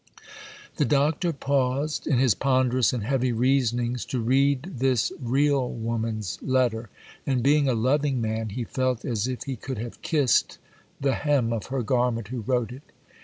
The Doctor paused in his ponderous and heavy reasonings to read this real woman's letter; and being a loving man, he felt as if he could have kissed the hem of her garment who wrote it.